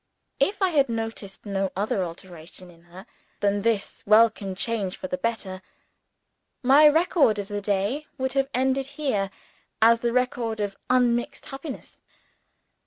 If I had noticed no other alteration in her than this welcome change for the better, my record of the day would have ended here, as the record of unmixed happiness.